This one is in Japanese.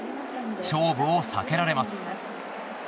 勝負を避けられます。